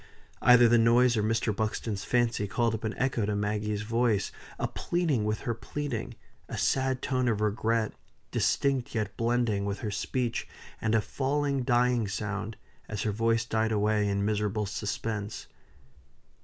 Either the noise or Mr. Buxton's fancy called up an echo to Maggie's voice a pleading with her pleading a sad tone of regret, distinct yet blending with her speech, and a falling, dying sound, as her voice died away in miserable suspense.